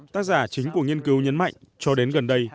tác giả chính của nghiên cứu nhấn mạnh cho đến gần đây